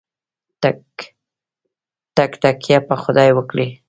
تککیه په خدای وکړئ